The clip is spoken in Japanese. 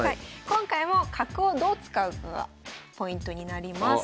今回も角をどう使うかがポイントになります。